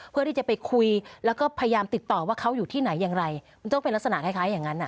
เพื่อที่จะไปคุยแล้วก็พยายามติดต่อว่าเขาอยู่ที่ไหนอย่างไรมันต้องเป็นลักษณะคล้ายอย่างนั้นอ่ะ